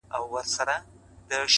• خوله یې ډکه له دعاوو سوه ګویان سو,